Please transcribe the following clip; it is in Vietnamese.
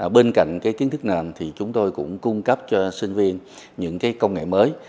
bên cạnh kiến thức nền thì chúng tôi cũng cung cấp cho sinh viên những công nghệ mới